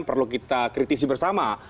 kalau kita kritisi bersama